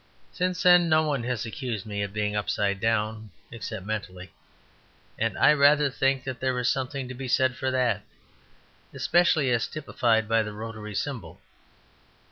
Since then no one has accused me of being upside down except mentally: and I rather think that there is something to be said for that; especially as typified by the rotary symbol.